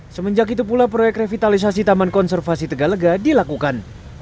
semenjak itu pula proyek revitalisasi taman konservasi tegalega dilakukan